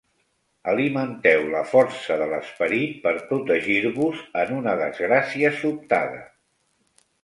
Alimenteu la força de l'esperit per protegir-vos en una desgràcia sobtada.